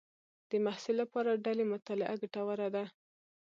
د محصل لپاره ډلې مطالعه ګټوره ده.